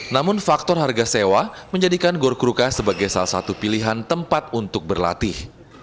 namun faktor harga sewa menjadikan gor krukah sebagai salah satu pilihan tempat untuk berlatih